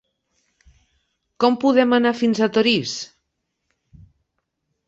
Com podem anar fins a Torís?